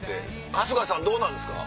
春日さんどうなんですか？